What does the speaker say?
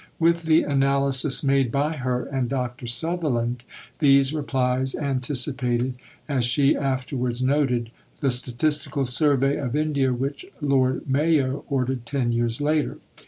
With the analysis made by her and Dr. Sutherland, these replies anticipated, as she afterwards noted, the Statistical Survey of India which Lord Mayo ordered ten years later.